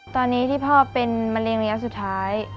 ตอนนี้ที่พ่อเป็นมะเร็งระยะสุดท้าย